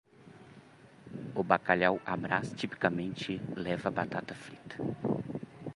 O bacalhau à Brás tipicamente leva batata frita.